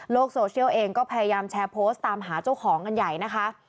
โซเชียลเองก็พยายามแชร์โพสต์ตามหาเจ้าของกันใหญ่นะคะ